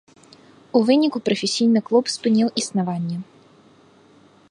У выніку прафесійны клуб спыніў існаванне.